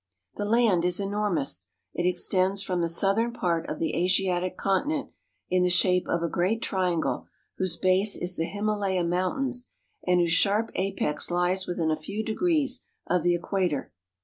The land is enormous. It extends from the southern part of the Asiatic Continent in the shape of a great triangle, whose base is the Himalaya Mountains, and whose sharp apex lies within a few degrees of the Equator.